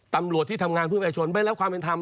ตำรวจที่ทำงานเพื่อประชาชนไม่รับความเป็นธรรม